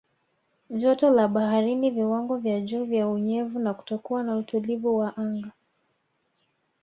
Joto la baharini viwango vya juu vya unyevu na kutokuwa na utulivu wa anga